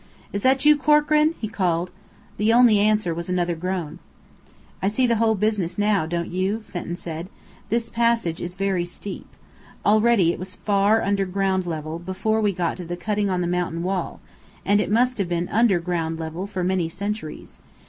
"Is that you, Corkran?" he called. The only answer was another groan. "I see the whole business now, don't you?" Fenton said. "This passage is very steep. Already it was far under ground level, before we got to the cutting on the mountain wall, and it must have been under ground level for many centuries.